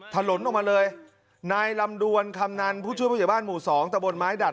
ถลนออกมาเลยนายลำดวนคำนันผู้ช่วยผู้ใหญ่บ้านหมู่สองตะบนไม้ดัด